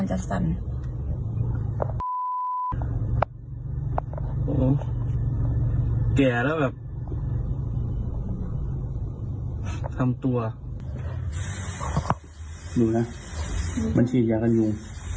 เนี่ยต้องเอาอะไรมาอุดก่อน